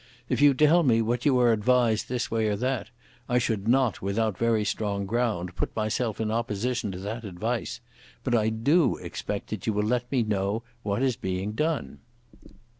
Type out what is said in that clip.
If you tell me that you are advised this way or that, I should not, without very strong ground, put myself in opposition to that advice; but I do expect that you will let me know what is being done."